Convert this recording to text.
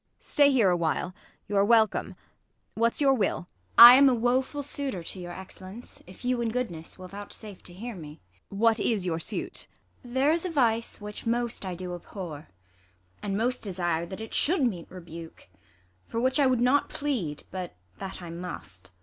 Ang. Stay here aAvhile ! Y'are welcome. What's your will 1 ISAB. I am a woeful suitor to your Excellence, If you in goodness will vouchsafe to hear me. Ang. What is your suit 1 IsAB. There is a vice which most I do abhor. And most desire that it should meet rebuke ; For which I would not plead, but that I must.